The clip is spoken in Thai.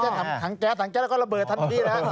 อย่างไม่ใช่ถังแก๊สถังแก๊สแล้วก็ระเบิดทันทีนะครับ